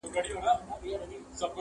نه پر چا احسان د سوځېدو لري-